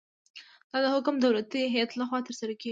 دا د حاکم دولتي هیئت لخوا ترسره کیږي.